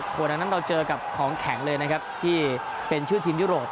วันนั้นเราเจอกับของแข็งเลยนะครับที่เป็นชื่อทีมยุโรป